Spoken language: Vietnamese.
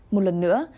một lần nữa